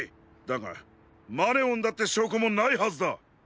だがマネオンだってしょうこもないはずだ！